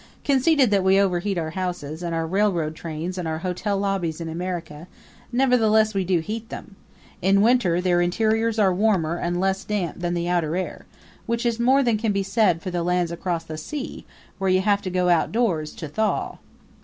Conceded that we overheat our houses and our railroad trains and our hotel lobbies in America, nevertheless we do heat them. In winter their interiors are warmer and less damp than the outer air which is more than can be said for the lands across the sea, where you have to go outdoors to thaw.